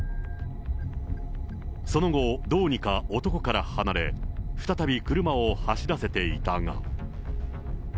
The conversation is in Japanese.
その後、どうにか男から離れ、再び車を走らせていたが。